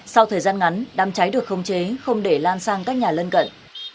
sau thời gian ngắn đám cháy được khống chế không để lan sang các nhà lân cận